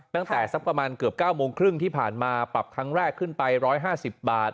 ตั้งแต่สักประมาณเกือบ๙โมงครึ่งที่ผ่านมาปรับครั้งแรกขึ้นไป๑๕๐บาท